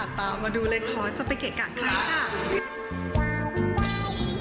อ่ะตามมาดูเลยเค้าจะไปเกะกะคล้ายค่ะ